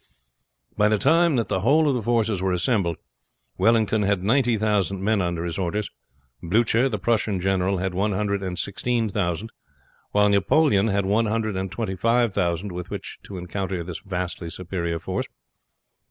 By the time that the whole of the forces were assembled Wellington had ninety thousand men under his orders; Blucher, the Prussian general, had one hundred and sixteen thousand; while Napoleon had one hundred and twenty five thousand with which to encounter this vastly superior force.